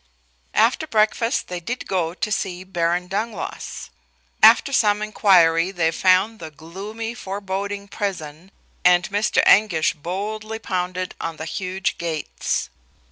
After breakfast they did go to see the Baron Dangloss. After some inquiry they found the gloomy, foreboding prison, and Mr. Anguish boldly pounded on the huge gates.